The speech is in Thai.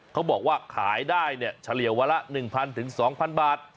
เขาบอกว่าขายได้เนี่ยเฉลี่ยวันละ๑๐๐๒๐๐บาท